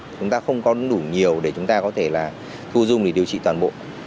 chúng ta không có đủ nhiều để chúng ta có thể là thu dung để điều trị toàn bộ